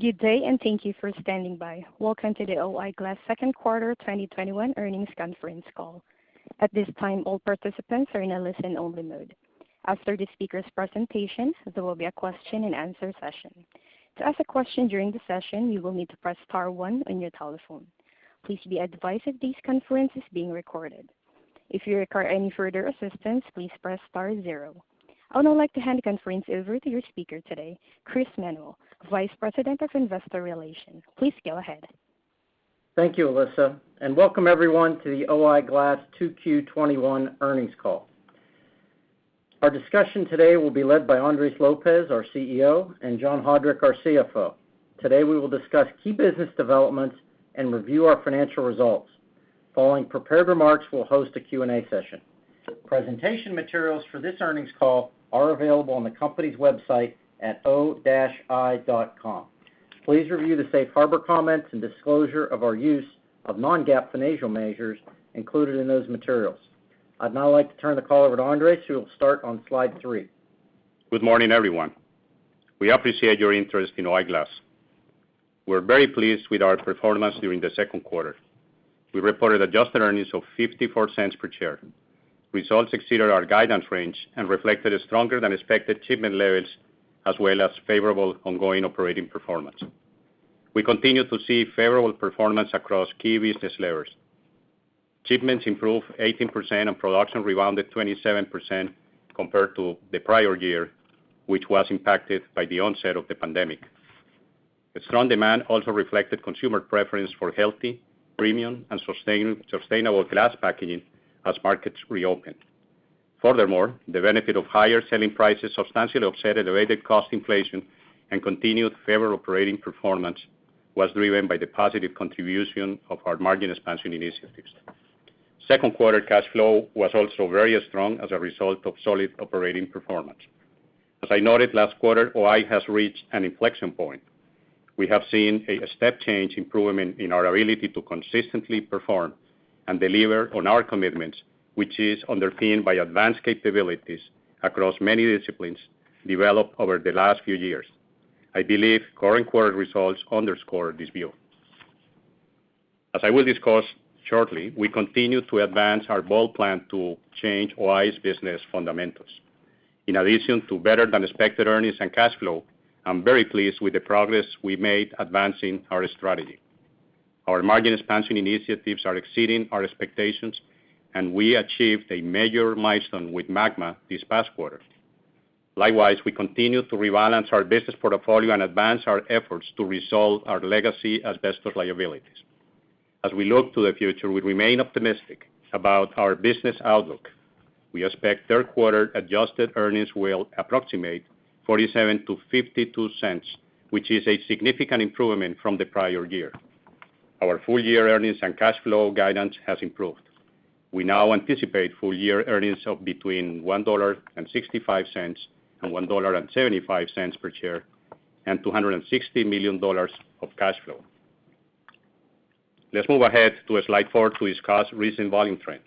Good day, and thank you for standing by. Welcome to the O-I Glass Second Quarter 2021 Earnings Conference Call. At this time, all participants are in a listen-only mode. After the speakers' presentation, there will be a question and answer session. To ask a question during the session, you will need to press star one on your telephone. Please be advised that this conference is being recorded. If you require any further assistance, please press star zero. I would now like to hand the conference over to your speaker today, Chris Manuel, Vice President of Investor Relations. Please go ahead. Thank you, Alyssa, and welcome everyone to the O-I Glass 2Q 2021 Earnings Call. Our discussion today will be led by Andres Lopez, our CEO, and John Haudrich, our CFO. Today, we will discuss key business developments and review our financial results. Following prepared remarks, we will host a Q&A session. Presentation materials for this earnings call are available on the company's website at o-i.com. Please review the safe harbor comments and disclosure of our use of non-GAAP financial measures included in those materials. I'd now like to turn the call over to Andres, who will start on slide three. Good morning, everyone. We appreciate your interest in O-I Glass. We're very pleased with our performance during the second quarter. We reported adjusted earnings of $0.54 per share. Results exceeded our guidance range and reflected stronger than expected shipment levels, as well as favorable ongoing operating performance. We continue to see favorable performance across key business layers. Shipments improved 18% and production rebounded 27% compared to the prior year, which was impacted by the onset of the pandemic. The strong demand also reflected consumer preference for healthy, premium, and sustainable glass packaging as markets reopened. The benefit of higher selling prices substantially offset elevated cost inflation, and continued favorable operating performance was driven by the positive contribution of our margin expansion initiatives. Second quarter cash flow was also very strong as a result of solid operating performance. As I noted last quarter, O-I has reached an inflection point. We have seen a step change improvement in our ability to consistently perform and deliver on our commitments, which is underpinned by advanced capabilities across many disciplines developed over the last few years. I believe current quarter results underscore this view. As I will discuss shortly, we continue to advance our bold plan to change O-I's business fundamentals. In addition to better than expected earnings and cash flow, I'm very pleased with the progress we made advancing our strategy. Our margin expansion initiatives are exceeding our expectations, and we achieved a major milestone with MAGMA this past quarter. Likewise, we continue to rebalance our business portfolio and advance our efforts to resolve our legacy asbestos liabilities. As we look to the future, we remain optimistic about our business outlook. We expect third quarter adjusted earnings will approximate $0.47-$0.52, which is a significant improvement from the prior year. Our full year earnings and cash flow guidance has improved. We now anticipate full year earnings of between $1.65 and $1.75 per share, and $260 million of cash flow. Let's move ahead to slide four to discuss recent volume trends.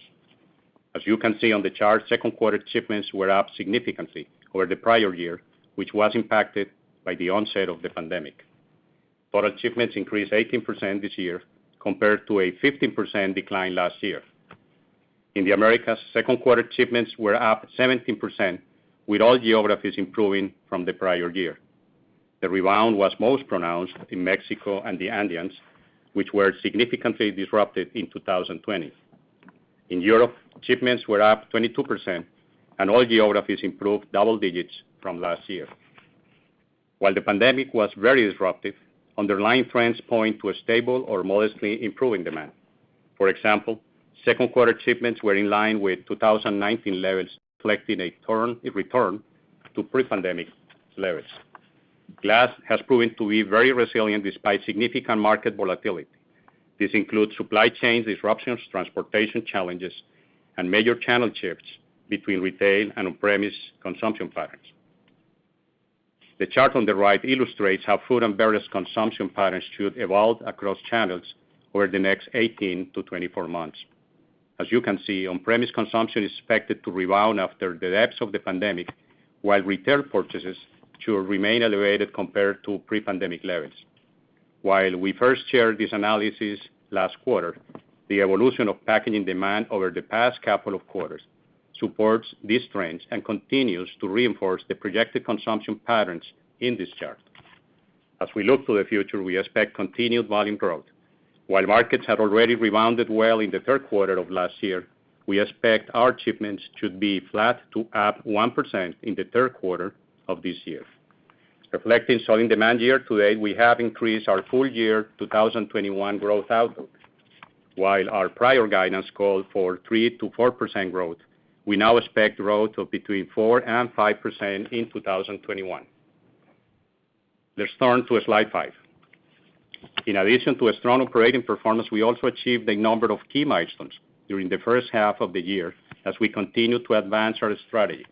As you can see on the chart, second quarter shipments were up significantly over the prior year, which was impacted by the onset of the pandemic. Product shipments increased 18% this year compared to a 15% decline last year. In the Americas, second quarter shipments were up 17%, with all geographies improving from the prior year. The rebound was most pronounced in Mexico and the Andeans, which were significantly disrupted in 2020. In Europe, shipments were up 22%, and all geographies improved double digits from last year. While the pandemic was very disruptive, underlying trends point to a stable or modestly improving demand. For example, second quarter shipments were in line with 2019 levels, reflecting a return to pre-pandemic levels. Glass has proven to be very resilient despite significant market volatility. This includes supply chain disruptions, transportation challenges, and major channel shifts between retail and on-premise consumption patterns. The chart on the right illustrates how food and beverage consumption patterns should evolve across channels over the next 18-24 months. As you can see, on-premise consumption is expected to rebound after the depths of the pandemic, while retail purchases should remain elevated compared to pre-pandemic levels. While we first shared this analysis last quarter, the evolution of packaging demand over the past couple of quarters supports these trends and continues to reinforce the projected consumption patterns in this chart. As we look to the future, we expect continued volume growth. While markets had already rebounded well in the third quarter of last year, we expect our shipments to be flat to up 1% in the third quarter of this year. Reflecting solid demand year to date, we have increased our full year 2021 growth outlook. While our prior guidance called for 3%-4% growth, we now expect growth of between 4% and 5% in 2021. Let's turn to slide five. In addition to a strong operating performance, we also achieved a number of key milestones during the first half of the year as we continue to advance our strategy.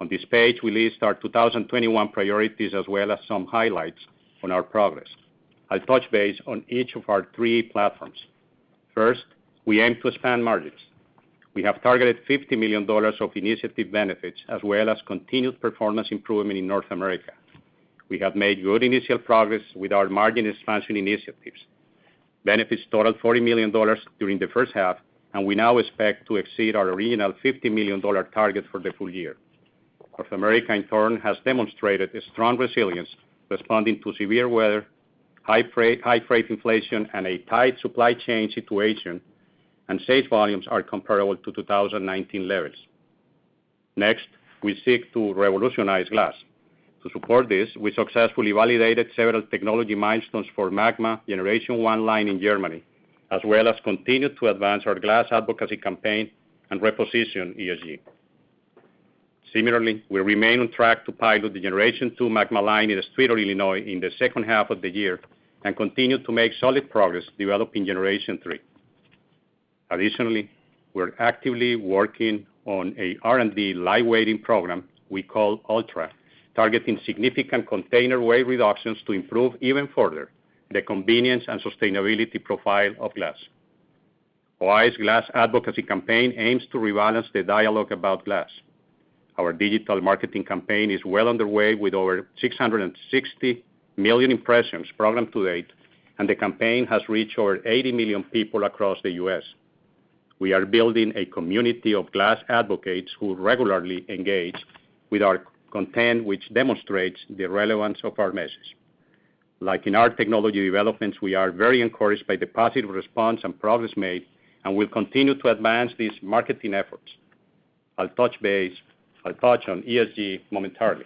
On this page, we list our 2021 priorities as well as some highlights on our progress. I'll touch base on each of our three platforms. First, we aim to expand margins. We have targeted $50 million of initiative benefits as well as continued performance improvement in North America. We have made good initial progress with our margin expansion initiatives. Benefits totaled $40 million during the first half, and we now expect to exceed our original $50 million target for the full year. North America, in turn, has demonstrated a strong resilience responding to severe weather, high freight inflation, and a tight supply chain situation, and safe volumes are comparable to 2019 levels. Next, we seek to revolutionize glass. To support this, we successfully validated several technology milestones for MAGMA Generation 1 line in Germany, as well as continued to advance our glass advocacy campaign and reposition ESG. Similarly, we remain on track to pilot the Generation 2 MAGMA line in East Streator, Illinois in the second half of the year and continue to make solid progress developing Generation 3. Additionally, we're actively working on a R&D lightweighting program we call ULTRA, targeting significant container weight reductions to improve even further the convenience and sustainability profile of glass. O-I's glass advocacy campaign aims to rebalance the dialogue about glass. Our digital marketing campaign is well underway with over 660 million impressions programmed to date. The campaign has reached over 80 million people across the U.S. We are building a community of glass advocates who regularly engage with our content, which demonstrates the relevance of our message. Like in our technology developments, we are very encouraged by the positive response and progress made. We'll continue to advance these marketing efforts. I'll touch on ESG momentarily.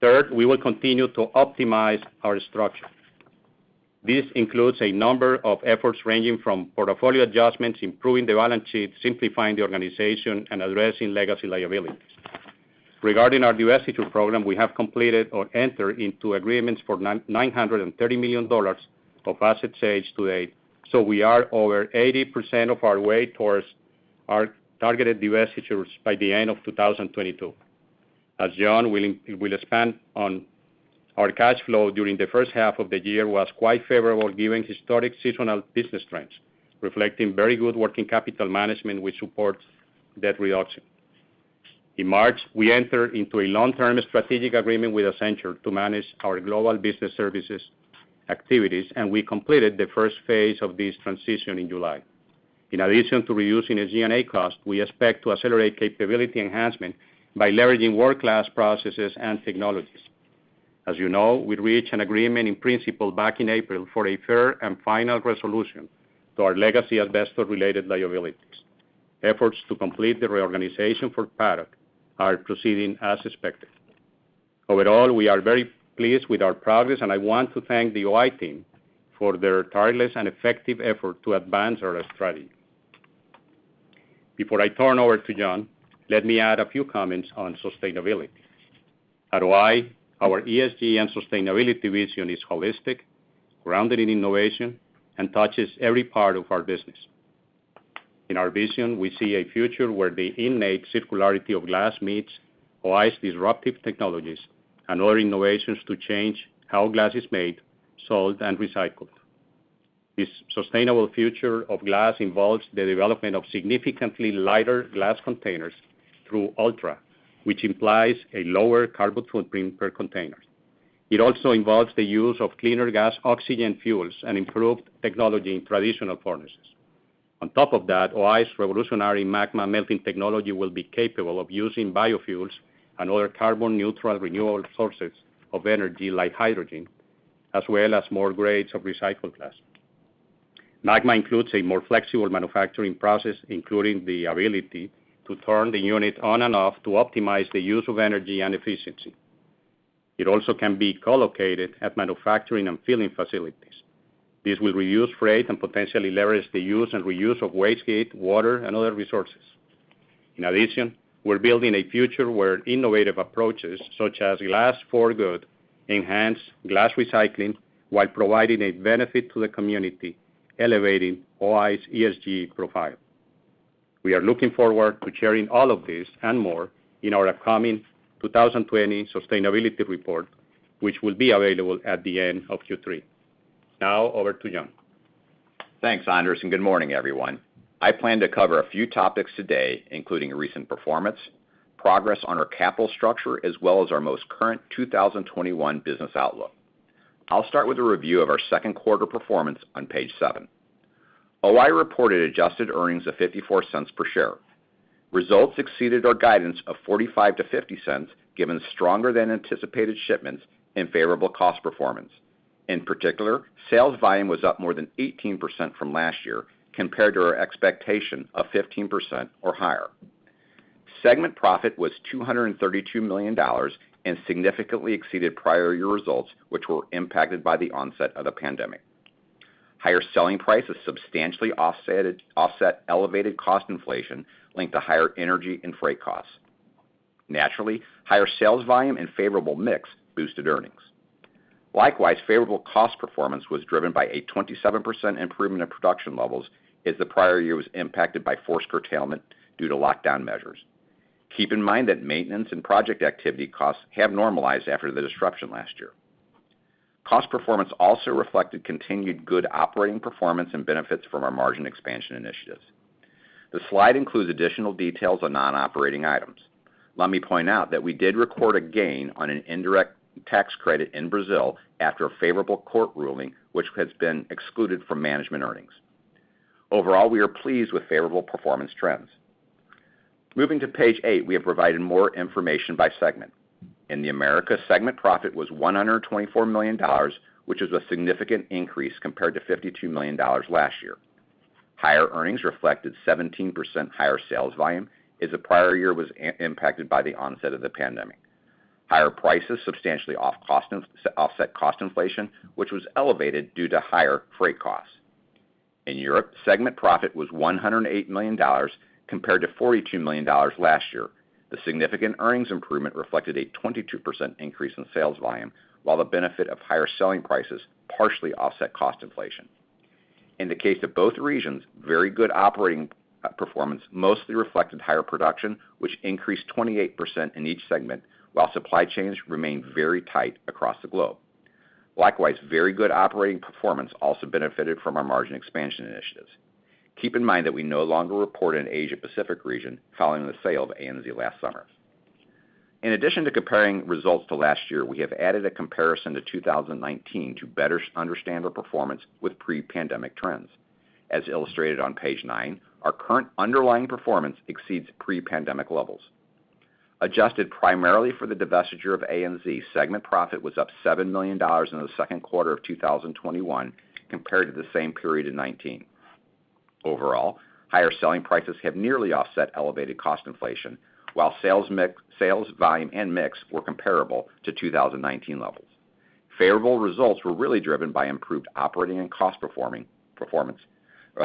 Third, we will continue to optimize our structure. This includes a number of efforts ranging from portfolio adjustments, improving the balance sheet, simplifying the organization, and addressing legacy liabilities. Regarding our de-risk program, we have completed or entered into agreements for $930 million of asset sales to date, so we are over 80% of our way towards our targeted divestitures by the end of 2022. As John will expand on, our cash flow during the first half of the year was quite favorable given historic seasonal business trends, reflecting very good working capital management, which supports debt reduction. In March, we entered into a long-term strategic agreement with Accenture to manage our global business services activities, and we completed the first phase of this transition in July. In addition to reducing the G&A cost, we expect to accelerate capability enhancement by leveraging world-class processes and technologies. As you know, we reached an agreement in principle back in April for a fair and final resolution to our legacy asbestos-related liabilities. Efforts to complete the reorganization for Paddock are proceeding as expected. Overall, we are very pleased with our progress, and I want to thank the O-I team for their tireless and effective effort to advance our strategy. Before I turn over to John, let me add a few comments on sustainability. At O-I, our ESG and sustainability vision is holistic, grounded in innovation, and touches every part of our business. In our vision, we see a future where the innate circularity of glass meets O-I's disruptive technologies and other innovations to change how glass is made, sold, and recycled. This sustainable future of glass involves the development of significantly lighter glass containers through ULTRA, which implies a lower carbon footprint per container. It also involves the use of cleaner gas oxygen fuels and improved technology in traditional furnaces. On top of that, O-I's revolutionary MAGMA melting technology will be capable of using biofuels and other carbon neutral renewable sources of energy like hydrogen, as well as more grades of recycled glass. MAGMA includes a more flexible manufacturing process, including the ability to turn the unit on and off to optimize the use of energy and efficiency. It also can be co-located at manufacturing and filling facilities. This will reduce freight and potentially leverage the use and reuse of waste heat, water, and other resources. In addition, we're building a future where innovative approaches such as Glass4Good enhance glass recycling while providing a benefit to the community, elevating O-I's ESG profile. We are looking forward to sharing all of this and more in our upcoming 2020 sustainability report, which will be available at the end of Q3. Now over to John. Thanks, Andres, good morning, everyone. I plan to cover a few topics today, including recent performance, progress on our capital structure, as well as our most current 2021 business outlook. I'll start with a review of our second quarter performance on page seven. O-I reported adjusted earnings of $0.54 per share. Results exceeded our guidance of $0.45-$0.50, given stronger than anticipated shipments and favorable cost performance. In particular, sales volume was up more than 18% from last year compared to our expectation of 15% or higher. Segment profit was $232 million significantly exceeded prior year results, which were impacted by the onset of the pandemic. Higher selling prices substantially offset elevated cost inflation linked to higher energy and freight costs. Naturally, higher sales volume and favorable mix boosted earnings. Likewise, favorable cost performance was driven by a 27% improvement in production levels, as the prior year was impacted by forced curtailment due to lockdown measures. Keep in mind that maintenance and project activity costs have normalized after the disruption last year. Cost performance also reflected continued good operating performance and benefits from our margin expansion initiatives. The slide includes additional details on non-operating items. Let me point out that we did record a gain on an indirect tax credit in Brazil after a favorable court ruling, which has been excluded from management earnings. Overall, we are pleased with favorable performance trends. Moving to page eight, we have provided more information by segment. In the Americas segment profit was $124 million, which is a significant increase compared to $52 million last year. Higher earnings reflected 17% higher sales volume as the prior year was impacted by the onset of the pandemic. Higher prices substantially offset cost inflation, which was elevated due to higher freight costs. In Europe, segment profit was $108 million compared to $42 million last year. The significant earnings improvement reflected a 22% increase in sales volume, while the benefit of higher selling prices partially offset cost inflation. In the case of both regions, very good operating performance mostly reflected higher production, which increased 28% in each segment, while supply chains remained very tight across the globe. Likewise, very good operating performance also benefited from our margin expansion initiatives. Keep in mind that we no longer report an Asia-Pacific region following the sale of ANZ last summer. In addition to comparing results to last year, we have added a comparison to 2019 to better understand our performance with pre-pandemic trends. As illustrated on page nine, our current underlying performance exceeds pre-pandemic levels. Adjusted primarily for the divestiture of ANZ segment profit was up $7 million in the second quarter of 2021 compared to the same period in 2019. Overall, higher selling prices have nearly offset elevated cost inflation, while sales volume and mix were comparable to 2019 levels. Favorable results were really driven by improved operating and cost performance,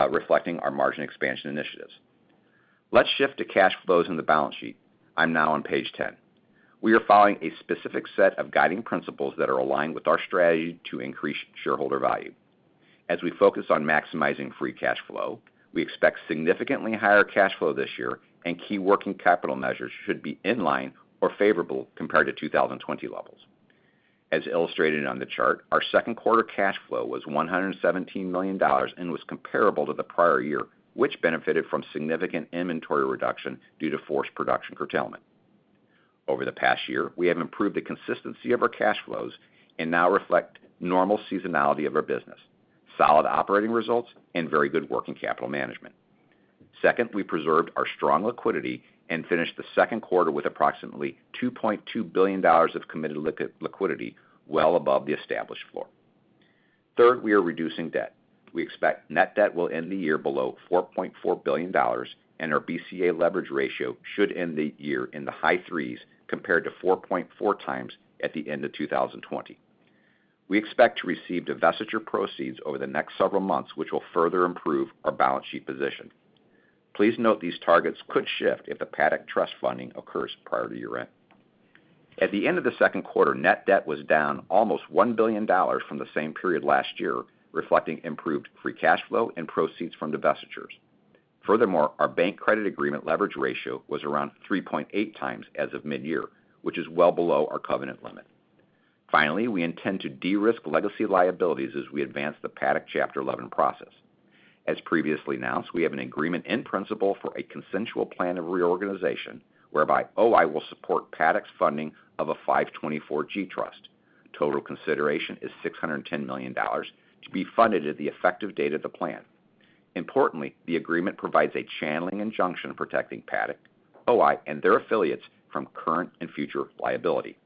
reflecting our margin expansion initiatives. Let's shift to cash flows in the balance sheet. I'm now on page 10. We are following a specific set of guiding principles that are aligned with our strategy to increase shareholder value. As we focus on maximizing free cash flow, we expect significantly higher cash flow this year, and key working capital measures should be in line or favorable compared to 2020 levels. As illustrated on the chart, our second quarter cash flow was $117 million and was comparable to the prior year, which benefited from significant inventory reduction due to forced production curtailment. Over the past year, we have improved the consistency of our cash flows and now reflect normal seasonality of our business, solid operating results, and very good working capital management. Second, we preserved our strong liquidity and finished the second quarter with approximately $2.2 billion of committed liquidity, well above the established floor. Third, we are reducing debt. We expect net debt will end the year below $4.4 billion, and our BCA leverage ratio should end the year in the high threes compared to 4.4x at the end of 2020. We expect to receive divestiture proceeds over the next several months, which will further improve our balance sheet position. Please note these targets could shift if the Paddock trust funding occurs prior to year-end. At the end of the second quarter, net debt was down almost $1 billion from the same period last year, reflecting improved free cash flow and proceeds from divestitures. Our bank credit agreement leverage ratio was around 3.8x as of mid-year, which is well below our covenant limit. We intend to de-risk legacy liabilities as we advance the Paddock Chapter 11 process. As previously announced, we have an agreement in principle for a consensual plan of reorganization, whereby O-I will support Paddock's funding of a 524(g) trust. Total consideration is $610 million to be funded at the effective date of the plan. The agreement provides a channeling injunction protecting Paddock, O-I, and their affiliates from current and future liability.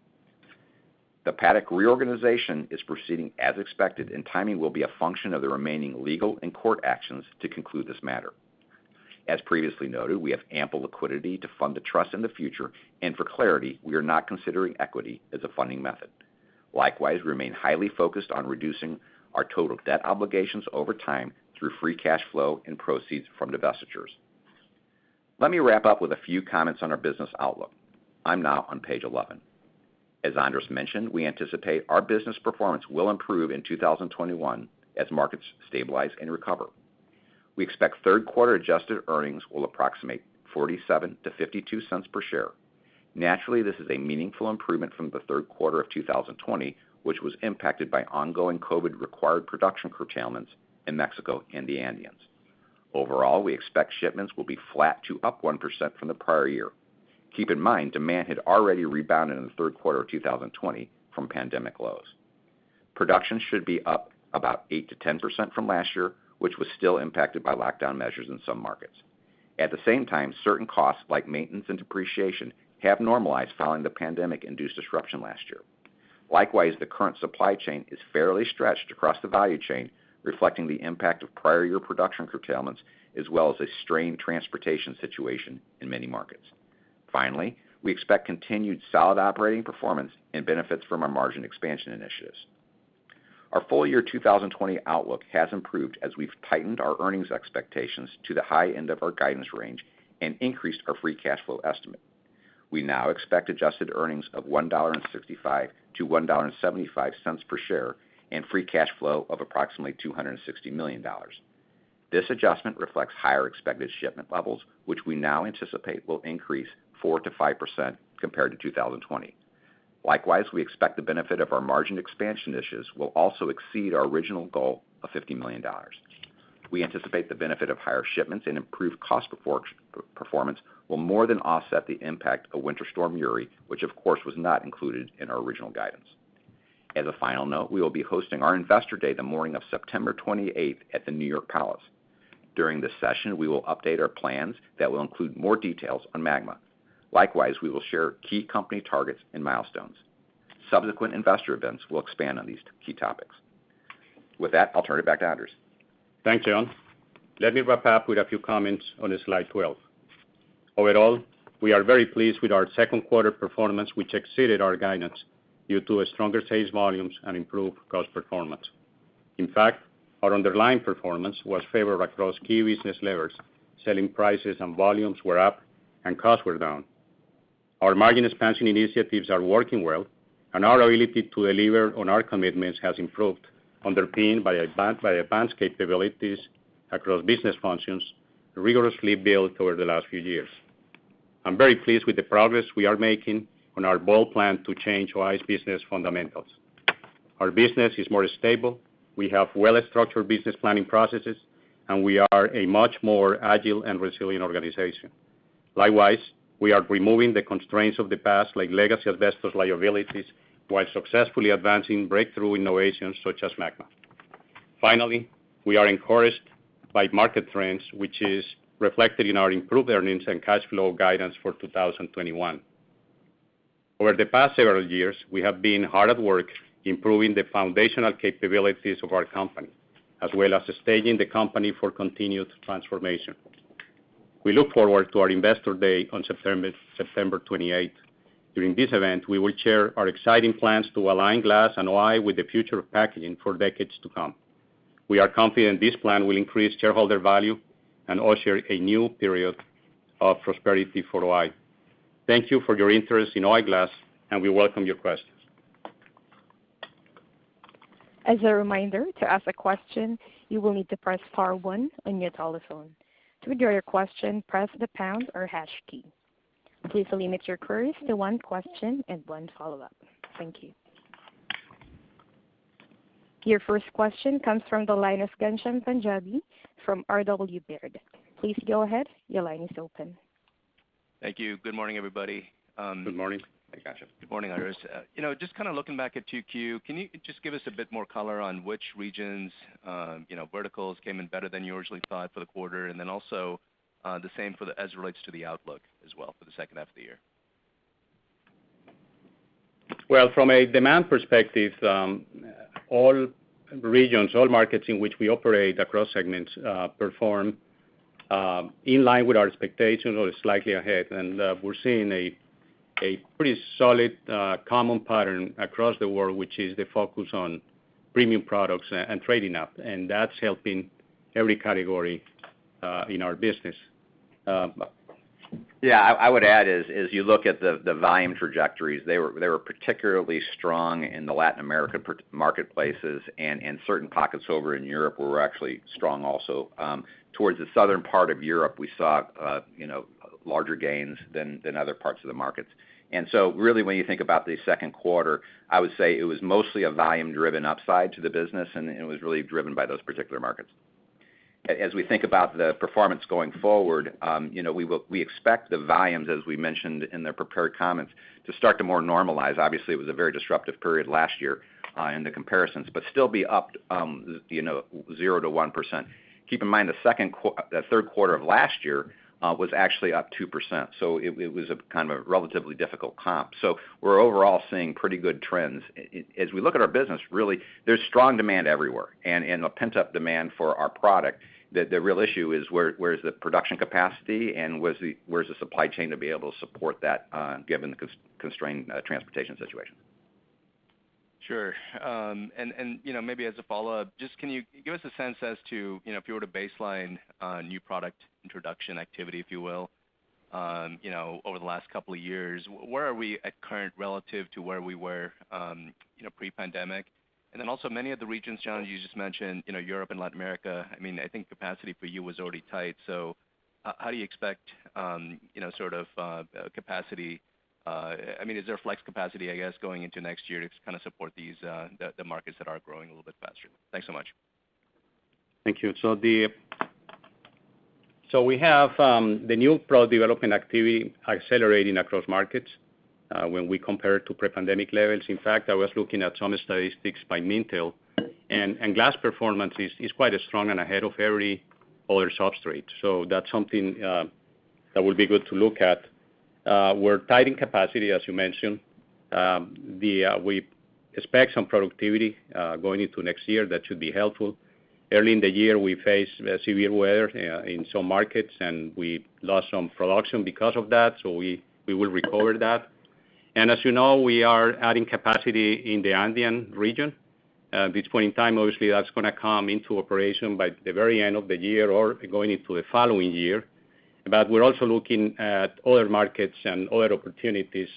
The Paddock reorganization is proceeding as expected, and timing will be a function of the remaining legal and court actions to conclude this matter. As previously noted, we have ample liquidity to fund the trust in the future, and for clarity, we are not considering equity as a funding method. Likewise, we remain highly focused on reducing our total debt obligations over time through free cash flow and proceeds from divestitures. Let me wrap up with a few comments on our business outlook. I'm now on page 11. As Andres Lopez mentioned, we anticipate our business performance will improve in 2021 as markets stabilize and recover. We expect third quarter adjusted earnings will approximate $0.47-$0.52 per share. Naturally, this is a meaningful improvement from the third quarter of 2020, which was impacted by ongoing COVID-required production curtailments in Mexico and the Andes. Overall, we expect shipments will be flat to up 1% from the prior year. Keep in mind, demand had already rebounded in the third quarter of 2020 from pandemic lows. Production should be up about 8%-10% from last year, which was still impacted by lockdown measures in some markets. At the same time, certain costs like maintenance and depreciation have normalized following the pandemic-induced disruption last year. Likewise, the current supply chain is fairly stretched across the value chain, reflecting the impact of prior year production curtailments, as well as a strained transportation situation in many markets. Finally, we expect continued solid operating performance and benefits from our margin expansion initiatives. Our full year 2020 outlook has improved as we've tightened our earnings expectations to the high end of our guidance range and increased our free cash flow estimate. We now expect adjusted earnings of $1.65-$1.75 per share and free cash flow of approximately $260 million. This adjustment reflects higher expected shipment levels, which we now anticipate will increase 4%-5% compared to 2020. Likewise, we expect the benefit of our margin expansion initiatives will also exceed our original goal of $50 million. We anticipate the benefit of higher shipments and improved cost performance will more than offset the impact of Winter Storm Uri, which of course, was not included in our original guidance. As a final note, we will be hosting our Investor Day the morning of September 28th at the New York Palace. During this session, we will update our plans that will include more details on MAGMA. Likewise, we will share key company targets and milestones. Subsequent investor events will expand on these key topics. With that, I'll turn it back to Andres Lopez. Thanks, John. Let me wrap up with a few comments on slide 12. Overall, we are very pleased with our second quarter performance, which exceeded our guidance due to stronger sales volumes and improved cost performance. In fact, our underlying performance was favored across key business levers. Selling prices and volumes were up. Costs were down. Our margin expansion initiatives are working well, and our ability to deliver on our commitments has improved, underpinned by advanced capabilities across business functions rigorously built over the last few years. I'm very pleased with the progress we are making on our bold plan to change O-I Glass's business fundamentals. Our business is more stable, we have well-structured business planning processes, and we are a much more agile and resilient organization. We are removing the constraints of the past, like legacy asbestos liabilities, while successfully advancing breakthrough innovations such as MAGMA. Finally, we are encouraged by market trends, which is reflected in our improved earnings and cash flow guidance for 2021. Over the past several years, we have been hard at work improving the foundational capabilities of our company, as well as staging the company for continued transformation. We look forward to our Investor Day on September 28th. During this event, we will share our exciting plans to align glass and O-I with the future of packaging for decades to come. We are confident this plan will increase shareholder value and usher a new period of prosperity for O-I. Thank you for your interest in O-I Glass, and we welcome your questions. As a reminder, to ask a question, you will need to press star one on your telephone. To withdraw your question, press the pound or hash key. Please limit your queries to one question and one follow-up. Thank you. Your first question comes from the line of Ghansham Panjabi from Robert W. Baird & Co. Please go ahead. Your line is open. Thank you. Good morning, everybody. Good morning. Hey, Ghansham. Good morning, Andres Lopez. Just kind of looking back at 2Q, can you just give us a bit more color on which regions, verticals came in better than you originally thought for the quarter? Then also, the same as it relates to the outlook as well for the second half of the year? Well, from a demand perspective, all regions, all markets in which we operate across segments, perform in line with our expectations or slightly ahead. We're seeing a pretty solid common pattern across the world, which is the focus on premium products and trading up, and that's helping every category, in our business. I would add, as you look at the volume trajectories, they were particularly strong in the Latin America marketplaces and certain pockets over in Europe were actually strong also. Towards the southern part of Europe, we saw larger gains than other parts of the markets. Really when you think about the second quarter, I would say it was mostly a volume-driven upside to the business, and it was really driven by those particular markets. As we think about the performance going forward, we expect the volumes, as we mentioned in the prepared comments, to start to more normalize. Obviously, it was a very disruptive period last year, in the comparisons, but still be up 0%-1%. Keep in mind, the third quarter of last year was actually up 2%, so it was a kind of a relatively difficult comp. We're overall seeing pretty good trends. As we look at our business, really, there's strong demand everywhere and a pent-up demand for our product. The real issue is: Where is the production capacity, and where's the supply chain to be able to support that given the constrained transportation situation? Sure. Maybe as a follow-up, just can you give us a sense as to, if you were to baseline new product introduction activity, if you will, over the last couple of years, where are we at current relative to where we were pre-pandemic? Then also many of the regions, John, you just mentioned, Europe and Latin America, I think capacity for you was already tight. How do you expect capacity? Is there a flex capacity, I guess, going into next year to kind of support the markets that are growing a little bit faster? Thanks so much. Thank you. We have the New Product Development activity accelerating across markets when we compare to pre-pandemic levels. I was looking at some statistics by Mintel, glass performance is quite strong and ahead of every other substrate. That's something that will be good to look at. We're tight in capacity, as you mentioned. We expect some productivity going into next year that should be helpful. Early in the year, we faced severe weather in some markets, we lost some production because of that, we will recover that. As you know, we are adding capacity in the Andean region. At this point in time, obviously, that's going to come into operation by the very end of the year or going into the following year. We're also looking at other markets and other opportunities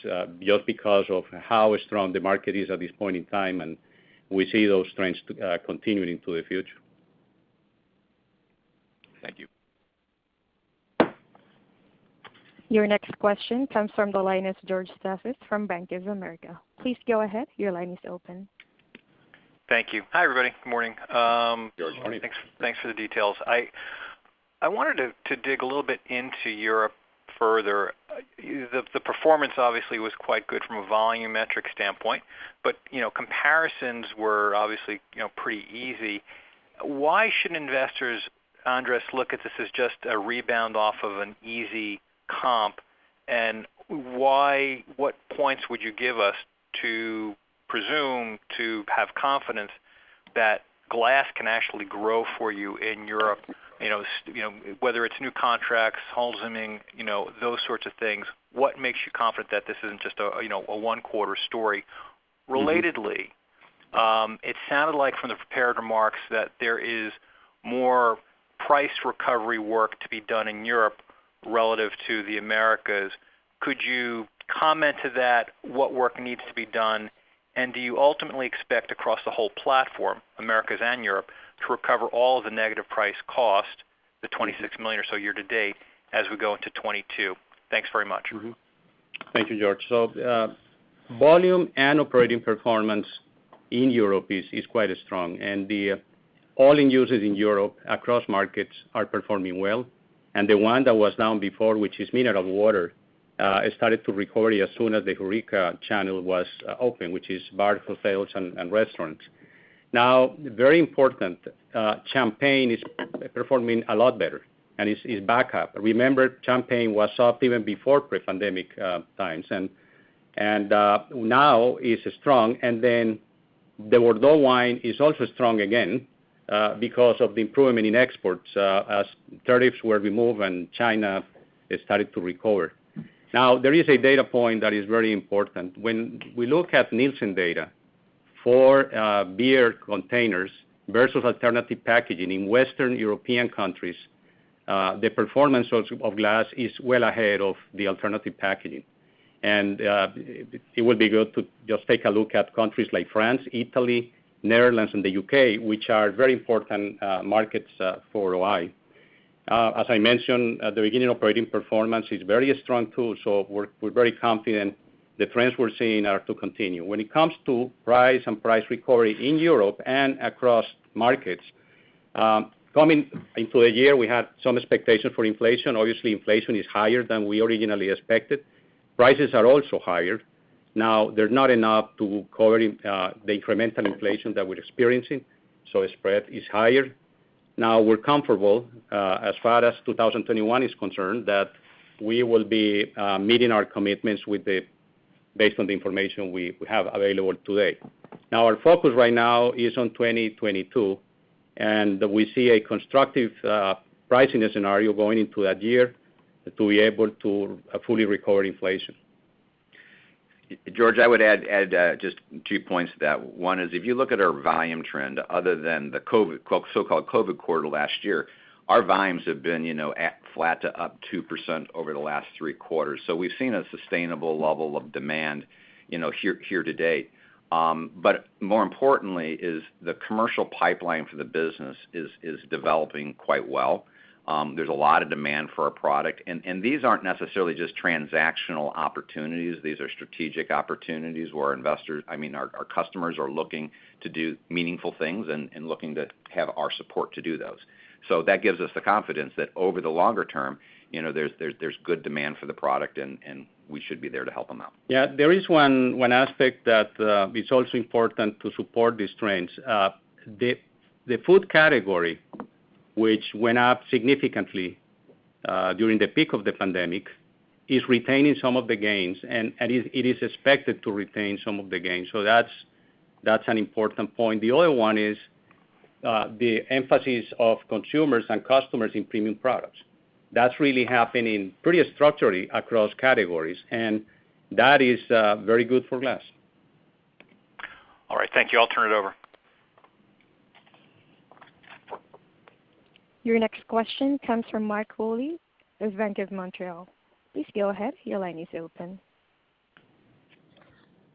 just because of how strong the market is at this point in time, and we see those trends continuing into the future. Thank you. Your next question comes from the line. It is George Staphos from Bank of America. Please go ahead. Your line is open. Thank you. Hi, everybody. Good morning. George, good morning. Thanks for the details. I wanted to dig a little bit into Europe further. The performance obviously was quite good from a volume metric standpoint, but comparisons were obviously pretty easy. Why should investors, Andres, look at this as just a rebound off of an easy comp? What points would you give us to presume to have confidence that glass can actually grow for you in Europe? Whether it's new contracts, holdings, those sorts of things, what makes you confident that this isn't just a one-quarter story? Relatedly, it sounded like from the prepared remarks that there is more price recovery work to be done in Europe relative to the Americas. Could you comment to that, what work needs to be done, and do you ultimately expect across the whole platform, Americas and Europe, to recover all of the negative price cost, the $26 million or so year to date, as we go into 2022? Thanks very much. Thank you, George. Volume and operating performance in Europe is quite strong, and all end users in Europe across markets are performing well. The one that was down before, which is mineral water, it started to recover as soon as the HoReCa channel was open, which is bar, hotels, and restaurants. Very important, Champagne is performing a lot better and is back up. Remember, Champagne was up even before pre-pandemic times, and now is strong. The Bordeaux wine is also strong again because of the improvement in exports as tariffs were removed and China has started to recover. There is a data point that is very important. When we look at Nielsen data for beer containers versus alternative packaging in Western European countries, the performance of glass is well ahead of the alternative packaging. It would be good to just take a look at countries like France, Italy, Netherlands, and the U.K., which are very important markets for O-I. As I mentioned at the beginning, operating performance is very strong too, so we're very confident the trends we're seeing are to continue. When it comes to price and price recovery in Europe and across markets, coming into a year, we had some expectation for inflation. Obviously, inflation is higher than we originally expected. Prices are also higher. Now, they're not enough to cover the incremental inflation that we're experiencing, so the spread is higher. Now, we're comfortable, as far as 2021 is concerned, that we will be meeting our commitments based on the information we have available today. Our focus right now is on 2022, and we see a constructive pricing scenario going into that year to be able to fully recover inflation. George, I would add just two points to that. One is, if you look at our volume trend, other than the so-called COVID quarter last year, our volumes have been flat to up 2% over the last three quarters. We've seen a sustainable level of demand here to date. More importantly is the commercial pipeline for the business is developing quite well. There's a lot of demand for our product, and these aren't necessarily just transactional opportunities. These are strategic opportunities where our customers are looking to do meaningful things and looking to have our support to do those. That gives us the confidence that over the longer term, there's good demand for the product, and we should be there to help them out. Yeah. There is one aspect that is also important to support these trends. The food category, which went up significantly during the peak of the pandemic, is retaining some of the gains, and it is expected to retain some of the gains. That's an important point. The other one is the emphasis of consumers and customers in premium products. That's really happening pretty structurally across categories, and that is very good for glass. All right. Thank you. I'll turn it over. Your next question comes from Mark Wilde with Bank of Montreal. Please go ahead. Your line is open.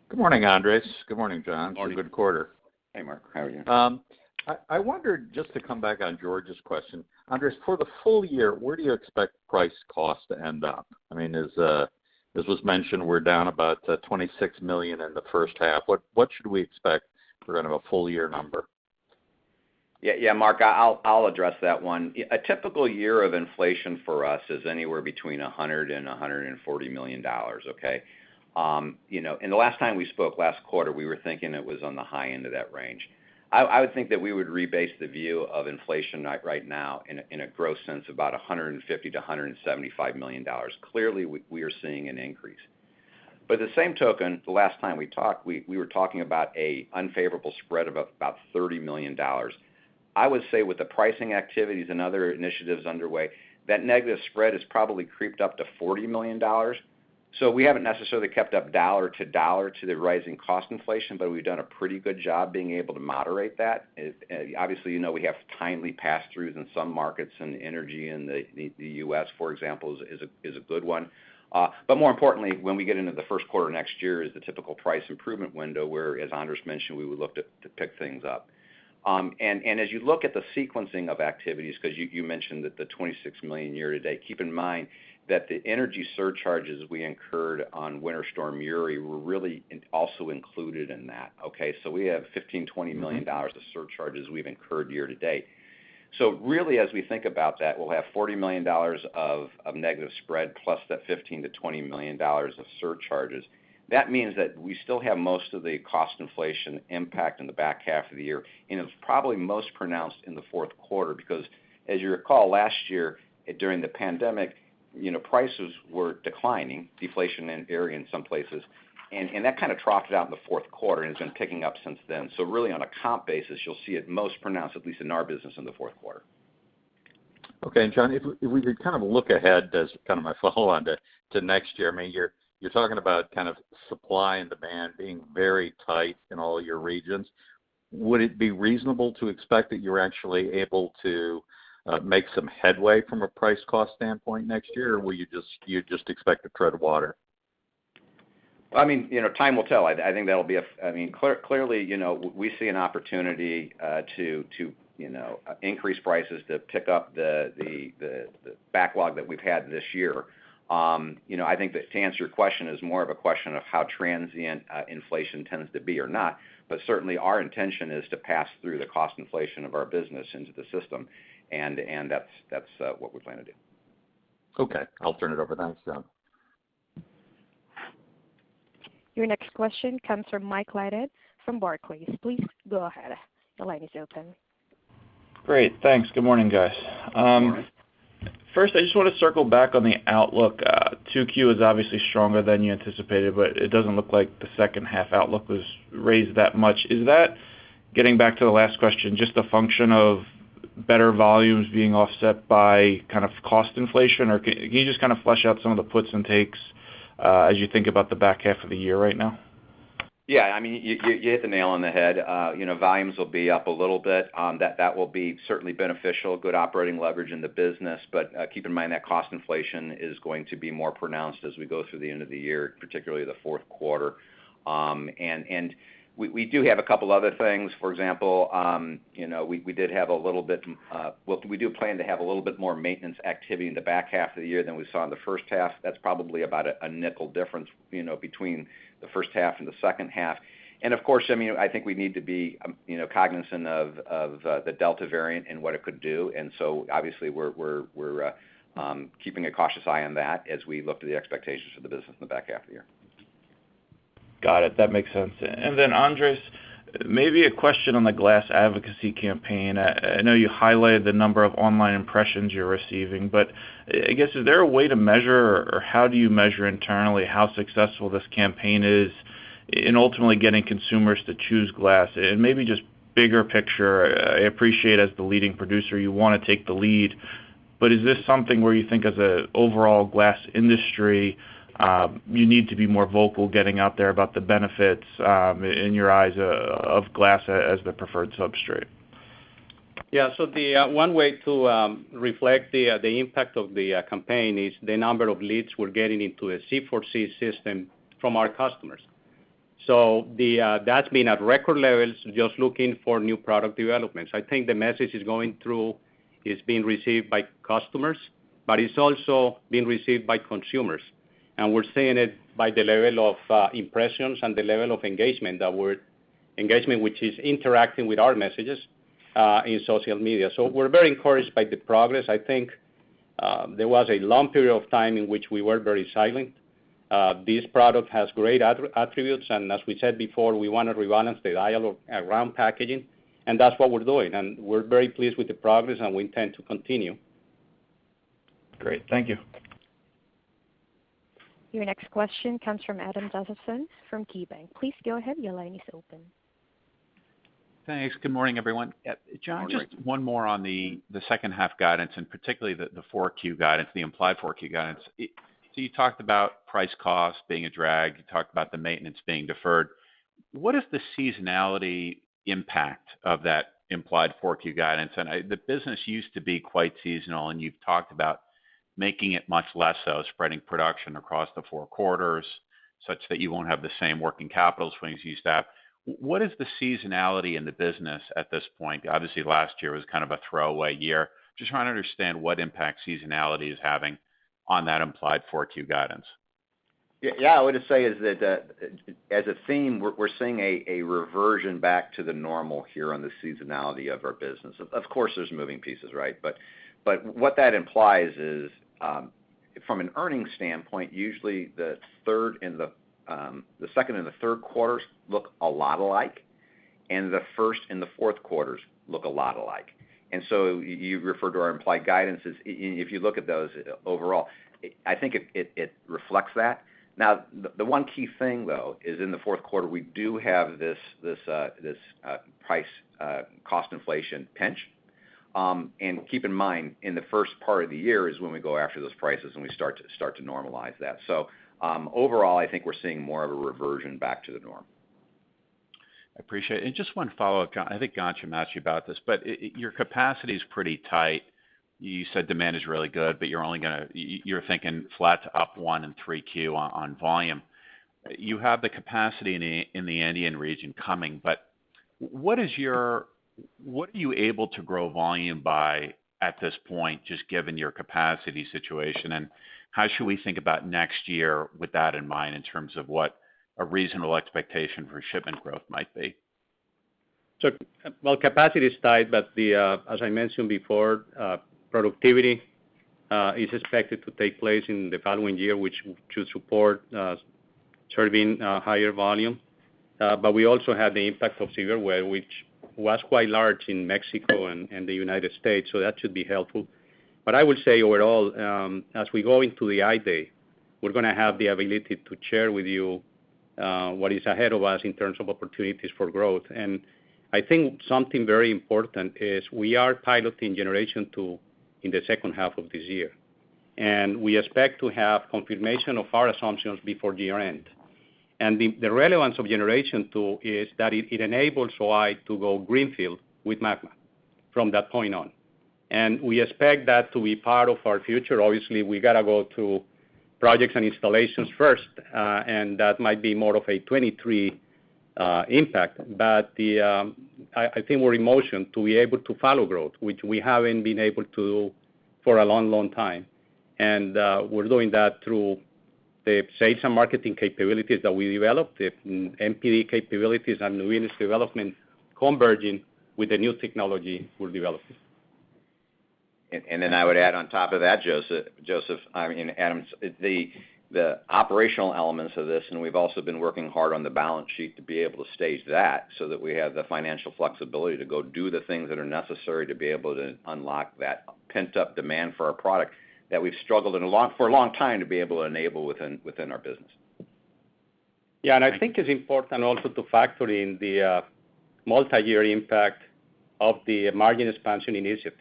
Good morning, Andres. Good morning, John. Morning. It's a good quarter. Hey, Mark. How are you? I wondered, just to come back on George's question, Andres, for the full year, where do you expect price cost to end up? As was mentioned, we're down about $26 million in the first half. What should we expect for a full-year number? Mark, I'll address that one. A typical year of inflation for us is anywhere between $100 million and $140 million. The last time we spoke last quarter, we were thinking it was on the high end of that range. I would think that we would rebase the view of inflation right now in a gross sense about $150 million-$175 million. Clearly, we are seeing an increase. The last time we talked, we were talking about an unfavorable spread of about $30 million. I would say with the pricing activities and other initiatives underway, that negative spread has probably creeped up to $40 million. We haven't necessarily kept up dollar to dollar to the rising cost inflation, but we've done a pretty good job being able to moderate that. Obviously, you know we have timely pass-throughs in some markets. Energy in the U.S., for example, is a good one. More importantly, when we get into the first quarter next year is the typical price improvement window where, as Andres Lopez mentioned, we would look to pick things up. As you look at the sequencing of activities, because you mentioned that the $26 million year to date, keep in mind that the energy surcharges we incurred on Winter Storm Uri were really also included in that. Okay, we have $15 million-$20 million of surcharges we've incurred year to date. Really, as we think about that, we'll have $40 million of negative spread, plus that $15 million-$20 million of surcharges. That means that we still have most of the cost inflation impact in the back half of the year, and it's probably most pronounced in the fourth quarter because as you recall, last year during the pandemic, prices were declining, deflationary in some places, and that kind of trotted out in the fourth quarter and it's been picking up since then. Really on a comp basis, you'll see it most pronounced, at least in our business, in the fourth quarter. Okay. John, if we could kind of look ahead as kind of my follow-on to next year, you're talking about supply and demand being very tight in all your regions. Would it be reasonable to expect that you're actually able to make some headway from a price cost standpoint next year, or will you just expect to tread water? Time will tell. Clearly, we see an opportunity to increase prices to pick up the backlog that we've had this year. I think that to answer your question is more of a question of how transient inflation tends to be or not. Certainly, our intention is to pass through the cost inflation of our business into the system, and that's what we plan to do. Okay. I'll turn it over then. Your next question comes from Mike Leithead from Barclays. Please go ahead. The line is open. Great. Thanks. Good morning, guys. Good morning. I just want to circle back on the outlook. 2Q is obviously stronger than you anticipated. It doesn't look like the second half outlook was raised that much. Is that, getting back to the last question, just a function of better volumes being offset by cost inflation? Can you just flesh out some of the puts and takes as you think about the back half of the year right now? Yeah. You hit the nail on the head. Volumes will be up a little bit. That will be certainly beneficial, good operating leverage in the business. Keep in mind that cost inflation is going to be more pronounced as we go through the end of the year, particularly the fourth quarter. We do have a couple other things. For example, we do plan to have a little bit more maintenance activity in the back half of the year than we saw in the first half. That's probably about a $0.05 difference between the first half and the second half. Of course, I think we need to be cognizant of the Delta variant and what it could do. Obviously we're keeping a cautious eye on that as we look to the expectations for the business in the back half of the year. Got it. That makes sense. Then Andres, maybe a question on the glass advocacy campaign. I know you highlighted the number of online impressions you're receiving, but I guess, is there a way to measure, or how do you measure internally how successful this campaign is in ultimately getting consumers to choose glass? Maybe just bigger picture, I appreciate as the leading producer, you want to take the lead, but is this something where you think as an overall glass industry you need to be more vocal getting out there about the benefits, in your eyes, of glass as the preferred substrate? Yeah. One way to reflect the impact of the campaign is the number of leads we're getting into a C4C system from our customers. That's been at record levels, just looking for new product developments. I think the message is going through. It's being received by customers, but it's also being received by consumers, and we're seeing it by the level of impressions and the level of engagement, which is interacting with our messages in social media. We're very encouraged by the progress. I think there was a long period of time in which we were very silent. This product has great attributes, and as we said before, we want to rebalance the aisle around packaging, and that's what we're doing, and we're very pleased with the progress, and we intend to continue. Great. Thank you. Your next question comes from Adam Josephson from KeyBanc Capital Markets. Please go ahead. Your line is open. Thanks. Good morning, everyone. Good morning. John, just one more on the second half guidance, particularly the implied 4Q guidance. You talked about price cost being a drag. You talked about the maintenance being deferred. What is the seasonality impact of that implied 4Q guidance? The business used to be quite seasonal, and you've talked about making it much less so, spreading production across the four quarters such that you won't have the same working capital swings you used to have. What is the seasonality in the business at this point? Obviously, last year was kind of a throwaway year. Just trying to understand what impact seasonality is having on that implied 4Q guidance. Yeah. I would just say is that as a theme, we're seeing a reversion back to the normal here on the seasonality of our business. Of course, there's moving pieces, right? What that implies is, from an earnings standpoint, usually the second and the third quarters look a lot alike, and the first and the fourth quarters look a lot alike. You refer to our implied guidances. If you look at those overall, I think it reflects that. Now, the one key thing, though, is in the fourth quarter, we do have this price cost inflation pinch. Keep in mind, in the first part of the year is when we go after those prices and we start to normalize that. Overall, I think we're seeing more of a reversion back to the norm. I appreciate it. Just one follow-up. I think Ghansham Panjabi asked you about this. Your capacity is pretty tight. You said demand is really good. You're thinking flat to up one in 3Q on volume. You have the capacity in the Andean region coming. What are you able to grow volume by at this point, just given your capacity situation? How should we think about next year with that in mind, in terms of what a reasonable expectation for shipment growth might be? While capacity is tight, as I mentioned before, productivity is expected to take place in the following year, which should support serving higher volume. We also have the impact of Winter Storm Uri, which was quite large in Mexico and the United States, so that should be helpful. I would say overall, as we go into the Investor Day, we're going to have the ability to share with you what is ahead of us in terms of opportunities for growth. I think something very important is we are piloting Generation 2 in the second half of this year. We expect to have confirmation of our assumptions before year-end. The relevance of Generation 2 is that it enables O-I to go greenfield with MAGMA from that point on. We expect that to be part of our future. Obviously, we got to go to projects and installations first, and that might be more of a 2023 impact. I think we're in motion to be able to follow growth, which we haven't been able to do for a long, long time. We're doing that through the sales and marketing capabilities that we developed, the NPD capabilities and new business development converging with the new technology we're developing. I would add on top of that, I mean Adam, the operational elements of this, and we've also been working hard on the balance sheet to be able to stage that so that we have the financial flexibility to go do the things that are necessary to be able to unlock that pent-up demand for our product that we've struggled for a long time to be able to enable within our business. Yeah, I think it's important also to factor in the multi-year impact of the margin expansion initiatives.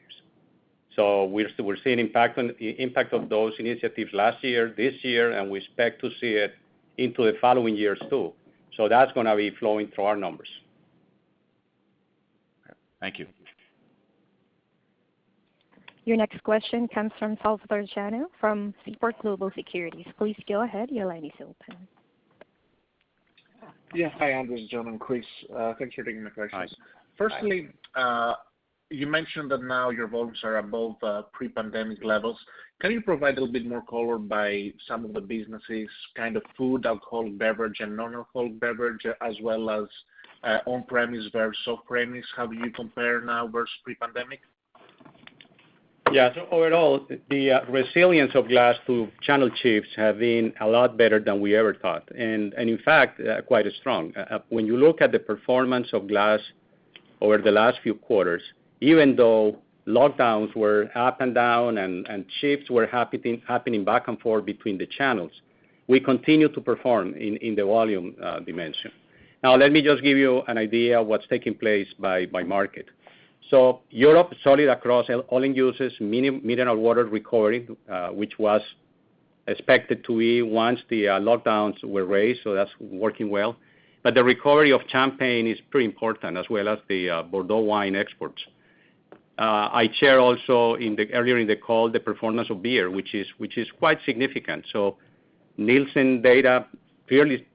We're seeing impact of those initiatives last year, this year, and we expect to see it into the following years, too. That's going to be flowing through our numbers. Okay. Thank you. Your next question comes from Salvator Tiano from Seaport Global Securities. Please go ahead. Your line is open. Yeah. Hi, Andres, gentlemen. Chris, thanks for taking my questions. Hi. Firstly, you mentioned that now your volumes are above pre-pandemic levels. Can you provide a little bit more color by some of the businesses, kind of food, alcohol, beverage, and non-alcohol beverage, as well as on-premise versus off-premise? How do you compare now versus pre-pandemic? Yeah. Overall, the resilience of glass through channel shifts have been a lot better than we ever thought. In fact, quite strong. When you look at the performance of glass over the last few quarters, even though lockdowns were up and down and shifts were happening back and forth between the channels, we continue to perform in the volume dimension. Now let me just give you an idea of what's taking place by market. Europe, solid across all end users, mineral water recovery, which was expected to be once the lockdowns were raised, so that's working well. The recovery of Champagne is pretty important, as well as the Bordeaux wine exports. I share also earlier in the call, the performance of beer, which is quite significant. Nielsen data clearly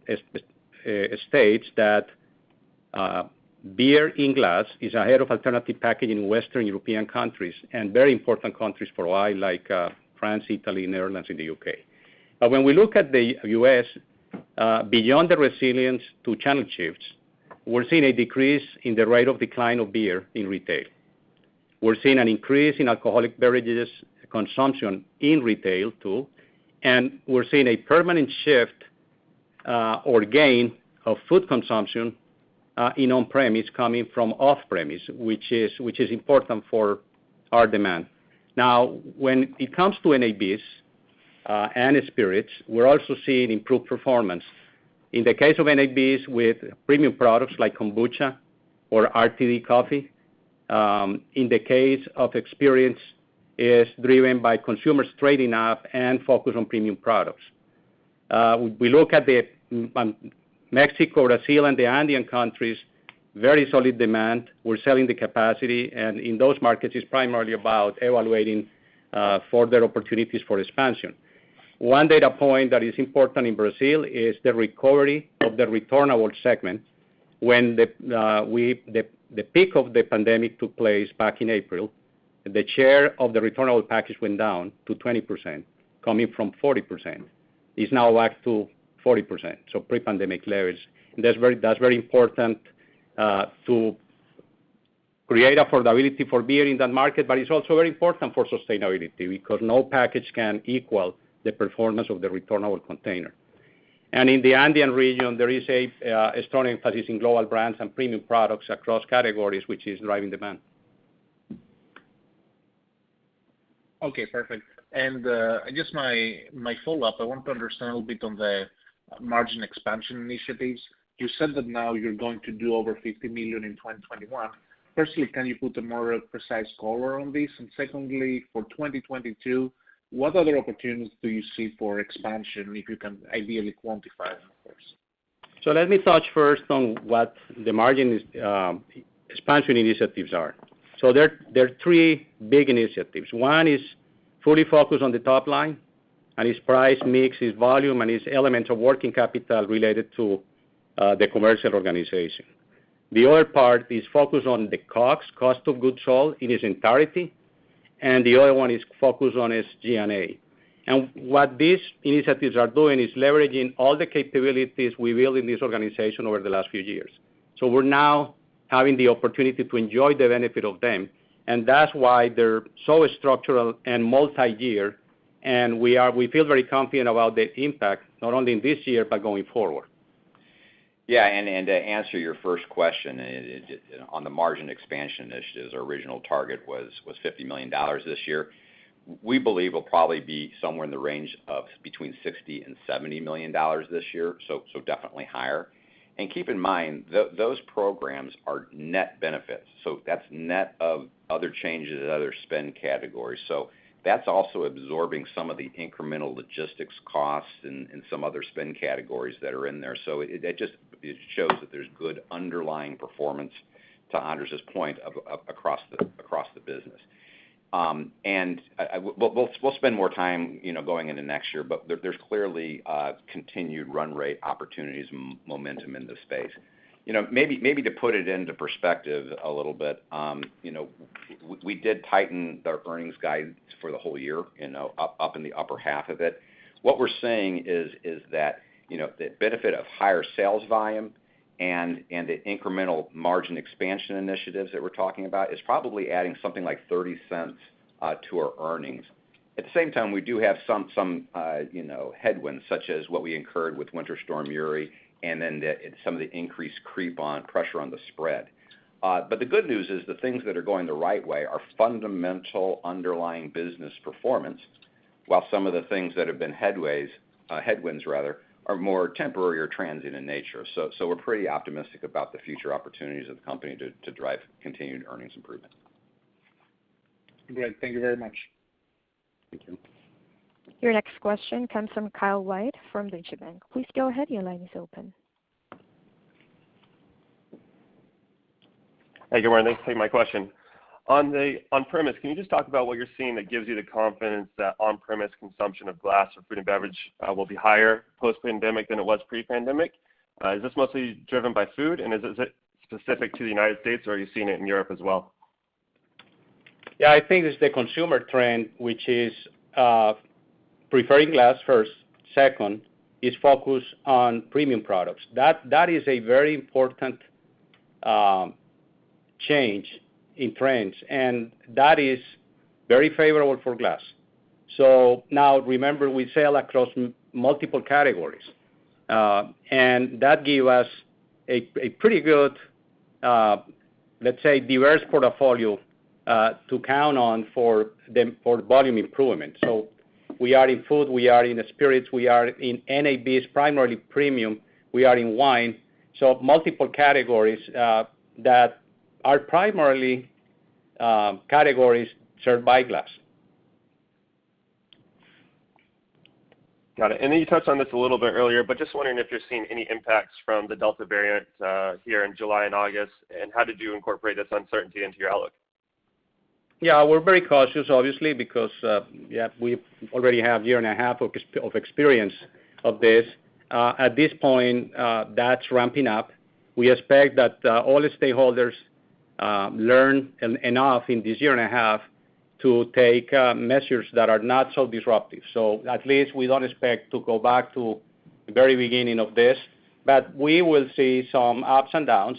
states that beer in glass is ahead of alternative packaging in Western European countries, and very important countries for O-I, like France, Italy, Netherlands, and the U.K. When we look at the U.S., beyond the resilience to channel shifts, we're seeing a decrease in the rate of decline of beer in retail. We're seeing an increase in alcoholic beverages consumption in retail, too, and we're seeing a permanent shift, or gain of food consumption in on-premise coming from off-premise, which is important for our demand. Now, when it comes to NABs and spirits, we're also seeing improved performance. In the case of NABs with premium products like kombucha or RTD coffee, in the case of experience is driven by consumers trading up and focus on premium products. We look at Mexico, Brazil, and the Andean countries, very solid demand. We're selling the capacity. In those markets, it's primarily about evaluating further opportunities for expansion. One data point that is important in Brazil is the recovery of the returnable segment. When the peak of the pandemic took place back in April, the share of the returnable package went down to 20%, coming from 40%. It's now back to 40%, so pre-pandemic levels. That's very important to create affordability for beer in that market. It's also very important for sustainability because no package can equal the performance of the returnable container. In the Andean region, there is a strong emphasis in global brands and premium products across categories, which is driving demand. Okay, perfect. Just my follow-up, I want to understand a bit on the margin expansion initiatives. You said that now you're going to do over $50 million in 2021. Firstly, can you put a more precise color on this? Secondly, for 2022, what other opportunities do you see for expansion, if you can ideally quantify them, of course? Let me touch first on what the margin expansion initiatives are. There are three big initiatives. One is fully focused on the top line, and its price mix is volume and is element of working capital related to the commercial organization. The other part is focused on the COGS, Cost of Goods Sold, in its entirety, and the other one is focused on its G&A. What these initiatives are doing is leveraging all the capabilities we build in this organization over the last few years. We're now having the opportunity to enjoy the benefit of them, and that's why they're so structural and multi-year, and we feel very confident about the impact, not only in this year, but going forward. Yeah, and to answer your first question on the margin expansion initiatives, our original target was $50 million this year. We believe it'll probably be somewhere in the range of between $60 million and $70 million this year, so definitely higher. Keep in mind, those programs are net benefits. That's net of other changes and other spend categories. That's also absorbing some of the incremental logistics costs and some other spend categories that are in there. It just shows that there's good underlying performance, to Andres' point, across the business. We'll spend more time going into next year, but there's clearly continued run rate opportunities and momentum in this space. Maybe to put it into perspective a little bit, we did tighten our earnings guidance for the whole year, up in the upper half of it. What we're saying is that the benefit of higher sales volume and the incremental margin expansion initiatives that we're talking about is probably adding something like $0.30 to our earnings. At the same time, we do have some headwinds, such as what we incurred with Winter Storm Uri and then some of the increased creep on pressure on the spread. The good news is the things that are going the right way are fundamental underlying business performance, while some of the things that have been headways, headwinds rather, are more temporary or transient in nature. We're pretty optimistic about the future opportunities of the company to drive continued earnings improvement. Great. Thank you very much. Thank you. Your next question comes from Kyle White from Deutsche Bank. Please go ahead. Your line is open. Hi, good morning. Thanks for taking my question. On premise, can you just talk about what you're seeing that gives you the confidence that on premise consumption of glass for food and beverage will be higher post-pandemic than it was pre-pandemic? Is this mostly driven by food, and is it specific to the United States, or are you seeing it in Europe as well? Yeah, I think it's the consumer trend, which is preferring glass first. Second, is focused on premium products. That is a very important change in trends, and that is very favorable for glass. Now remember, we sell across multiple categories, and that gave us a pretty good, let's say, diverse portfolio, to count on for volume improvement. We are in food, we are in spirits, we are in NABs primarily premium. We are in wine, so multiple categories that are primarily categories served by glass. Got it. You touched on this a little bit earlier, but just wondering if you're seeing any impacts from the Delta variant here in July and August, and how did you incorporate this uncertainty into your outlook? We're very cautious, obviously, because, yeah, we already have one and a half years of experience of this. At this point, that's ramping up. We expect that all the stakeholders learn enough in this one and a half years to take measures that are not so disruptive. At least we don't expect to go back to the very beginning of this. We will see some ups and downs.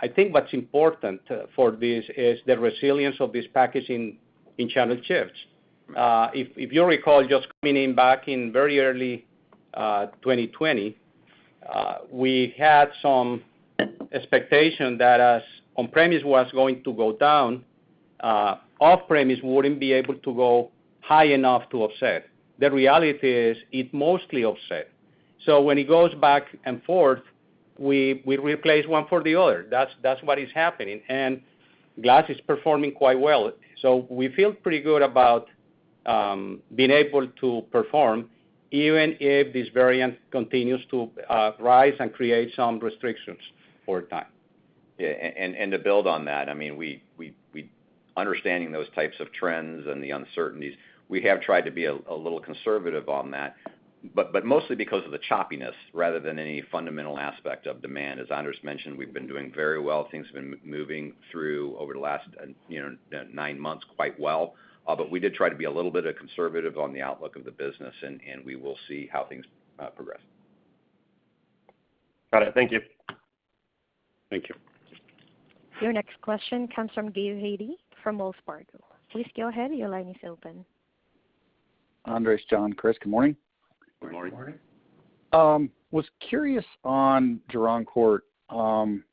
I think what's important for this is the resilience of this packaging in channel shifts. If you recall, just coming in back in very early 2020, we had some expectation that as on-premise was going to go down, off-premise wouldn't be able to go high enough to offset. The reality is, it mostly offset. When it goes back and forth, we replace one for the other. That's what is happening. Glass is performing quite well. We feel pretty good about being able to perform, even if this variant continues to rise and create some restrictions for a time. Yeah. To build on that, understanding those types of trends and the uncertainties, we have tried to be a little conservative on that, but mostly because of the choppiness rather than any fundamental aspect of demand. As Andres mentioned, we've been doing very well. Things have been moving through over the last nine months quite well. We did try to be a little bit conservative on the outlook of the business, and we will see how things progress. Got it. Thank you. Thank you. Your next question comes from Gabe Hajde from Wells Fargo. Andres, John, Chris, good morning. Good morning. Good morning. Was curious on Gironcourt.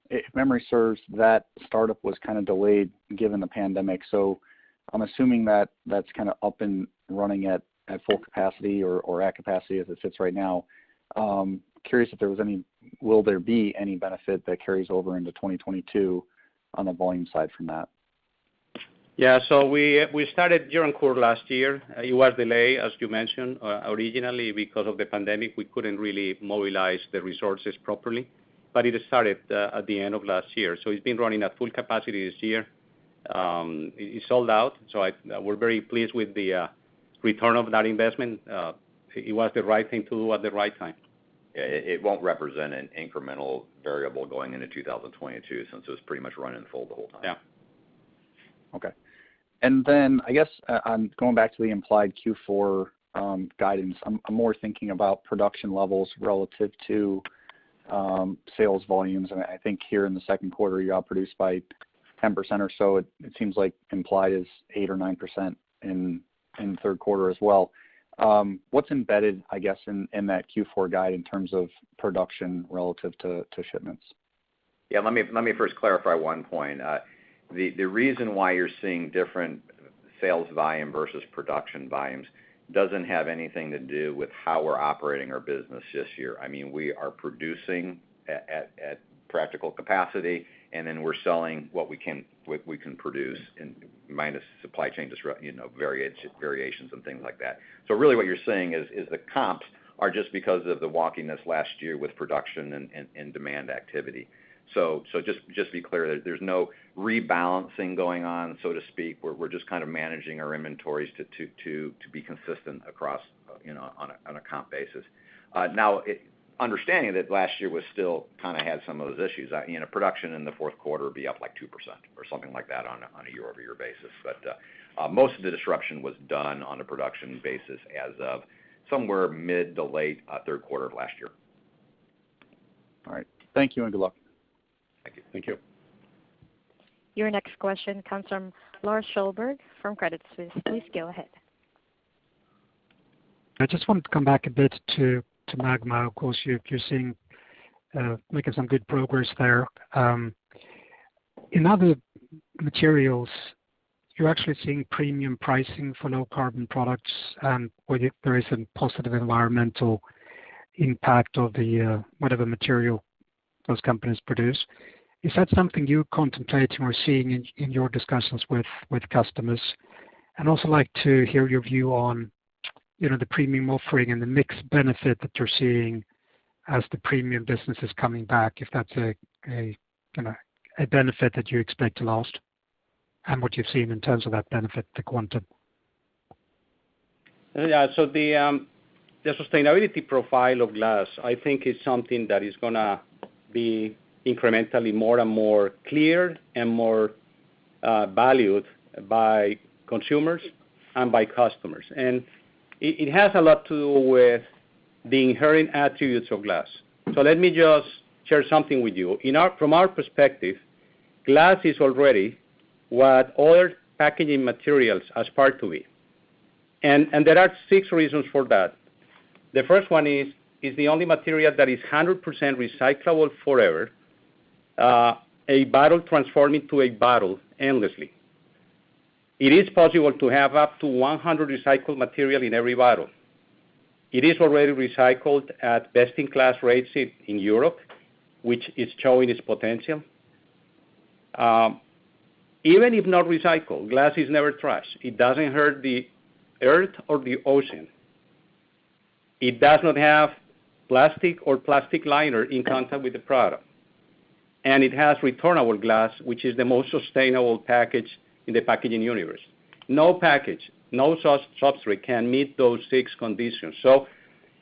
If memory serves, that startup was kind of delayed given the pandemic. I'm assuming that's kind of up and running at full capacity or at capacity as it sits right now. Curious if will there be any benefit that carries over into 2022 on the volume side from that? Yeah. We started Gironcourt last year. It was delayed, as you mentioned. Originally because of the pandemic, we couldn't really mobilize the resources properly. It started at the end of last year. It's been running at full capacity this year. It's sold out, so we're very pleased with the return of that investment. It was the right thing to do at the right time. Yeah. It won't represent an incremental variable going into 2022 since it was pretty much running full the whole time. Yeah. Okay. I guess, going back to the implied Q4 guidance, I'm more thinking about production levels relative to sales volumes. I think here in the second quarter, you all produced by 10% or so. It seems like implied is 8% or 9% in the third quarter as well. What's embedded, I guess, in that Q4 guide in terms of production relative to shipments? Yeah, let me first clarify one point. The reason why you're seeing different sales volume versus production volumes doesn't have anything to do with how we're operating our business this year. We are producing at practical capacity, and then we're selling what we can produce minus supply chain disrup- variations and things like that. Really what you're saying is the comps are just because of the wonkiness last year with production and demand activity. Just be clear, there's no rebalancing going on, so to speak. We're just kind of managing our inventories to be consistent across on a comp basis. Now, understanding that last year still kind of had some of those issues. Production in the fourth quarter would be up like 2% or something like that on a year-over-year basis. Most of the disruption was done on a production basis as of somewhere mid to late third quarter of last year. All right. Thank you, and good luck. Thank you. Thank you. Your next question comes from Lars Kjellberg from Credit Suisse. Please go ahead. I just wanted to come back a bit to MAGMA. Of course, you're making some good progress there. In other materials, you're actually seeing premium pricing for low-carbon products, and where there is a positive environmental impact of whatever material those companies produce. Is that something you're contemplating or seeing in your discussions with customers? I'd also like to hear your view on the premium offering and the mixed benefit that you're seeing as the premium business is coming back, if that's a benefit that you expect to last, and what you've seen in terms of that benefit, the quantum. The sustainability profile of glass, I think is something that is going to be incrementally more and more clear and more valued by consumers and by customers. It has a lot to do with the inherent attributes of glass. Let me just share something with you. From our perspective, glass is already what other packaging materials aspire to be. There are six reasons for that. The first one is, it's the only material that is 100% recyclable forever. A bottle transforming to a bottle endlessly. It is possible to have up to 100 recycled material in every bottle. It is already recycled at best-in-class rates in Europe, which is showing its potential. Even if not recycled, glass is never trash. It doesn't hurt the earth or the ocean. It does not have plastic or plastic liner in contact with the product. It has returnable glass, which is the most sustainable package in the packaging universe. No package, no substrate can meet those six conditions.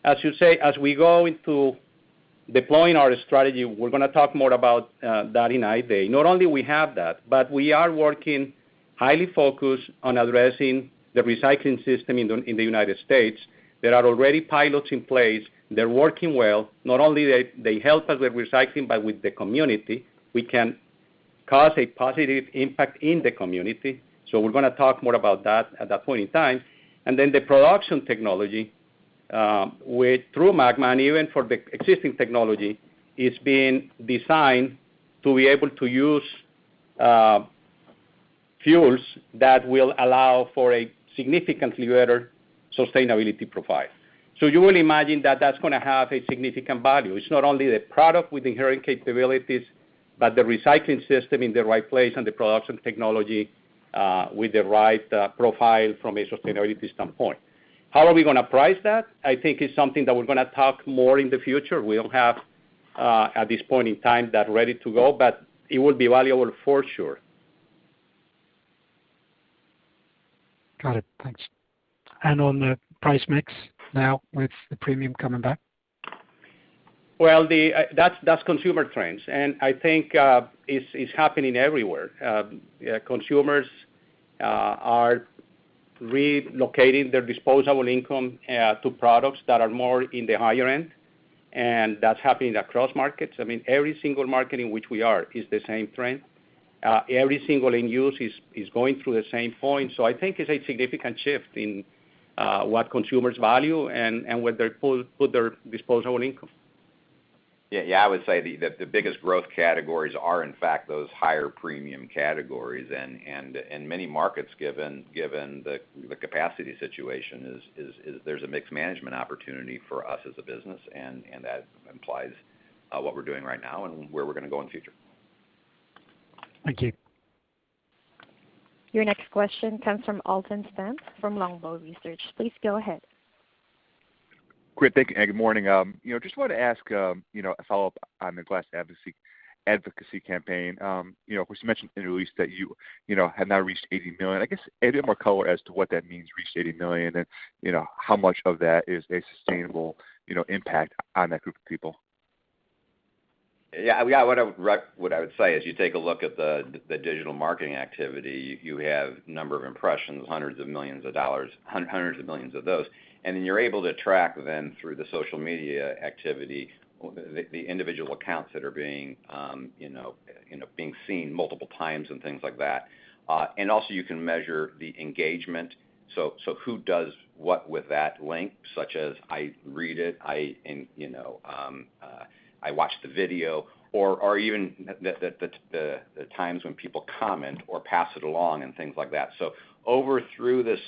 As you say, as we go into deploying our strategy, we're going to talk more about that in Investor Day. Not only we have that, but we are working highly focused on addressing the recycling system in the United States. There are already pilots in place. They're working well. Not only they help us with recycling, but with the community, we can cause a positive impact in the community. We're going to talk more about that at that point in time. The production technology, through MAGMA and even for the existing technology, is being designed to be able to use fuels that will allow for a significantly better sustainability profile. You will imagine that that's going to have a significant value. It's not only the product with inherent capabilities, but the recycling system in the right place and the production technology, with the right profile from a sustainability standpoint. How are we going to price that? I think it's something that we're going to talk more in the future. We don't have at this point in time that ready to go, but it will be valuable for sure. Got it. Thanks. On the price mix now with the premium coming back? That's consumer trends. I think it's happening everywhere. Consumers are relocating their disposable income to products that are more in the higher end. That's happening across markets. Every single market in which we are is the same trend. Every single end user is going through the same point. I think it's a significant shift in what consumers value and where they put their disposable income. Yeah. I would say the biggest growth categories are, in fact, those higher premium categories. Many markets, given the capacity situation, there's a mixed management opportunity for us as a business, and that implies what we're doing right now and where we're going to go in the future. Thank you. Your next question comes from Alton Stump from Longbow Research. Please go ahead. Great. Thank you. Good morning. Just wanted to ask a follow-up on the glass advocacy campaign, which you mentioned in the release that you had now reached 80 million. I guess, a bit more color as to what that means, reached 80 million, and how much of that is a sustainable impact on that group of people? Yeah. What I would say is you take a look at the digital marketing activity. You have a number of impressions, hundreds of millions of dollars, hundreds of millions of those. Then you're able to track then through the social media activity, the individual accounts that are being seen multiple times and things like that. Also you can measure the engagement. Who does what with that link, such as I read it, I watch the video, or even the times when people comment or pass it along and things like that. Over through this,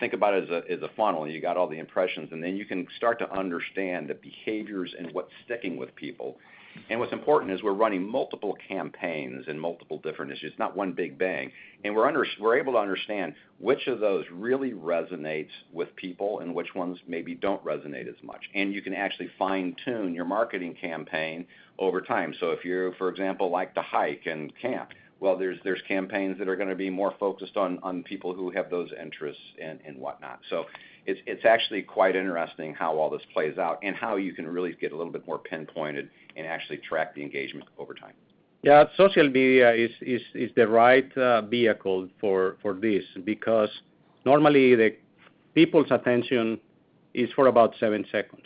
think about it as a funnel. You got all the impressions, and then you can start to understand the behaviors and what's sticking with people. What's important is we're running multiple campaigns and multiple different issues, not one big bang. We're able to understand which of those really resonates with people and which ones maybe don't resonate as much. You can actually fine-tune your marketing campaign over time. If you, for example, like to hike and camp, well, there's campaigns that are going to be more focused on people who have those interests and whatnot. It's actually quite interesting how all this plays out and how you can really get a little bit more pinpointed and actually track the engagement over time. Yeah. Social media is the right vehicle for this because normally the people's attention is for about seven seconds.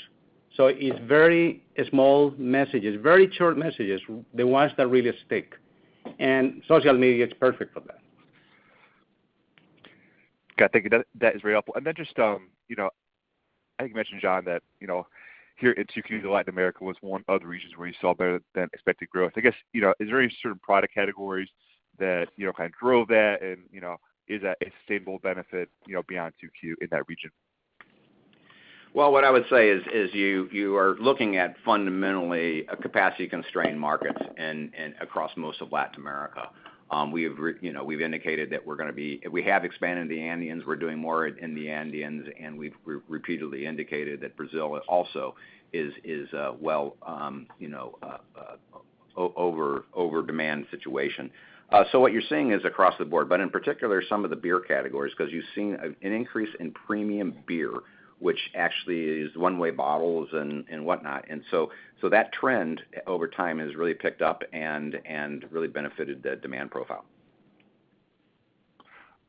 It's very small messages, very short messages, the ones that really stick. Social media is perfect for that. Okay. Thank you. That is very helpful. Then just, I think you mentioned, John, that here in 2Q, Latin America was one of the regions where you saw better-than-expected growth. I guess, is there any certain product categories that kind of drove that? Is that a stable benefit beyond 2Q in that region? What I would say is you are looking at fundamentally a capacity-constrained market and across most of Latin America. We've indicated that we have expanded the Andeans, we're doing more in the Andeans, and we've repeatedly indicated that Brazil also is a well over-demand situation. What you're seeing is across the board, but in particular, some of the beer categories because you've seen an increase in premium beer, which actually is one-way bottles and whatnot. That trend over time has really picked up and really benefited the demand profile.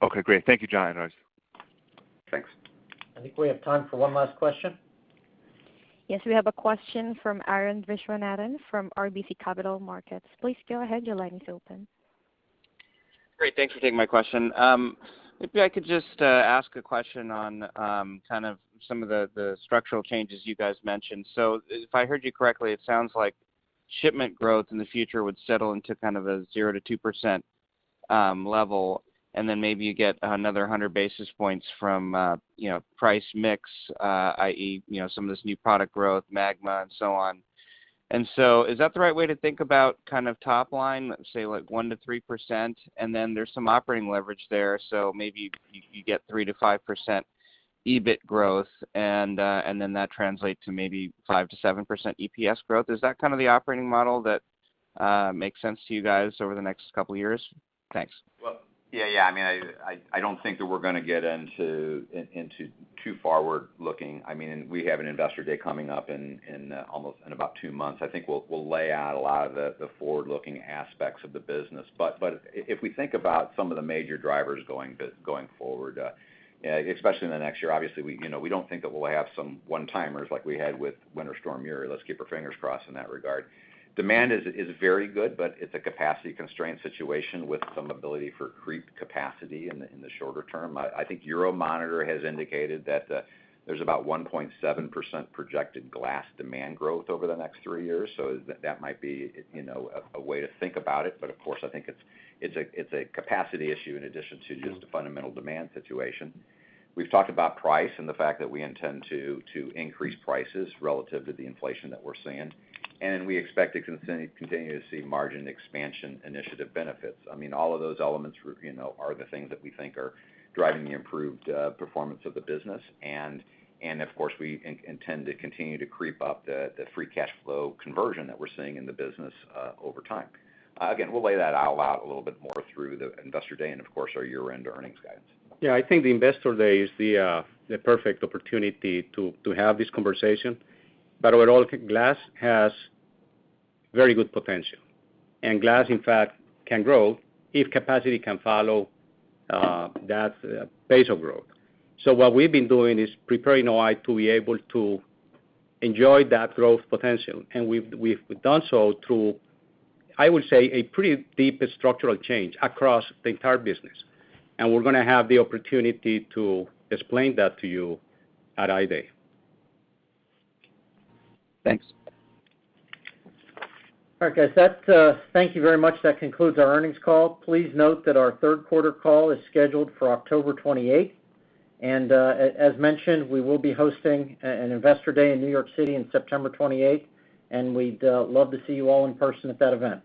Okay, great. Thank you, John. Thanks. I think we have time for one last question. Yes, we have a question from Arun Viswanathan from RBC Capital Markets. Please go ahead, your line is open. Great. Thanks for taking my question. Maybe I could just ask a question on kind of some of the structural changes you guys mentioned. If I heard you correctly, it sounds like shipment growth in the future would settle into kind of a 0%-2% level, and then maybe you get another 100 bps from price mix, i.e. some of this new product growth, MAGMA and so on. Is that the right way to think about kind of top line, say like 1%-3%? There's some operating leverage there, so maybe you get 3%-5% EBIT growth, and then that translates to maybe 5%-7% EPS growth. Is that kind of the operating model that makes sense to you guys over the next couple of years? Thanks. Well, yeah. I don't think that we're going to get into too forward-looking. We have an Investor Day coming up in about two months. If we think about some of the major drivers going forward, especially in the next year, obviously we don't think that we'll have some 1-timers like we had with Winter Storm Uri. Let's keep our fingers crossed in that regard. Demand is very good, but it's a capacity constraint situation with some ability for creep capacity in the shorter term. I think Euromonitor has indicated that there's about 1.7% projected glass demand growth over the next three years. That might be a way to think about it. Of course, I think it's a capacity issue in addition to just a fundamental demand situation. We've talked about price and the fact that we intend to increase prices relative to the inflation that we're seeing. We expect to continue to see margin expansion initiative benefits. All of those elements are the things that we think are driving the improved performance of the business. Of course, we intend to continue to creep up the free cash flow conversion that we're seeing in the business over time. Again, we'll lay that out a little bit more through the Investor Day and of course, our year-end earnings guidance. Yeah, I think the Investor Day is the perfect opportunity to have this conversation. Overall, glass has very good potential. Glass, in fact, can grow if capacity can follow that pace of growth. What we've been doing is preparing O-I to be able to enjoy that growth potential. We've done so through, I would say, a pretty deep structural change across the entire business. We're going to have the opportunity to explain that to you at Investor Day. Thanks. All right, guys. Thank you very much. That concludes our earnings call. Please note that our third quarter call is scheduled for October 28th. As mentioned, we will be hosting an Investor Day in New York City in September 28th. We'd love to see you all in person at that event.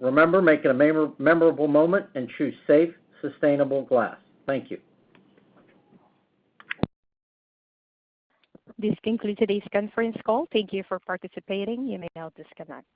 Remember, make it a memorable moment and choose safe, sustainable glass. Thank you. This concludes today's conference call. Thank you for participating. You may now disconnect.